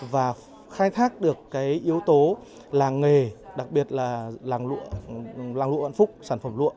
và khai thác được cái yếu tố làng nghề đặc biệt là làng lụa vạn phúc sản phẩm lụa